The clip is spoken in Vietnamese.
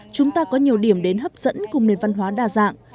chúng ta có nhiều điểm đến hấp dẫn cùng nền văn hóa đa dạng